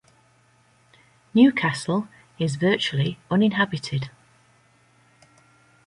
Newcastle is virtually uninhabited.